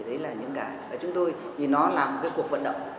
đấy là những cái chúng tôi vì nó là một cái cuộc vận động